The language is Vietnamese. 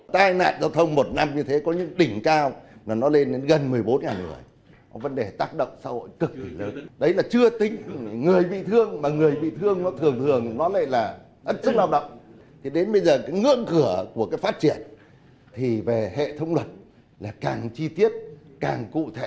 trong khi luật giao thông đồng bộ năm hai nghìn tám không bắt kịp xu thế phát triển